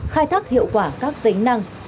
khai thác hiệu quả các tính năng